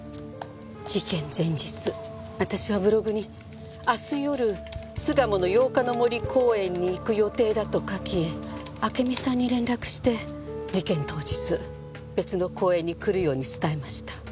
事件前日私はブログに明日夜巣鴨の八日の森公園に行く予定だと書き暁美さんに連絡して事件当日別の公園に来るように伝えました。